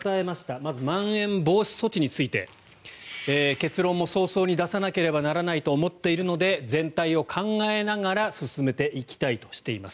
まず、まん延防止措置について結論も早々に出さなければならないと思っているので全体を考えながら進めていきたいとしています。